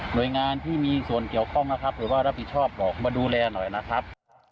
โดยงานที่มีส่วนเกี่ยวข้องนะครับหรือว่ารับผิดชอบบอกมาดูแลหน่อยนะครับ